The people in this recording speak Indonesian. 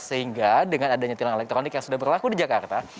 sehingga dengan adanya tilang elektronik yang sudah berlaku di jakarta